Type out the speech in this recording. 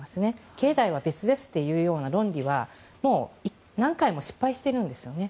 経済は別ですという論理はもう何回も失敗していますので。